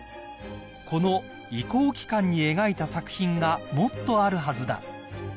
［この移行期間に描いた作品がもっとあるはずだ］